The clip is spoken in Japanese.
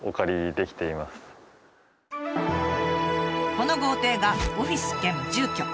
この豪邸がオフィス兼住居。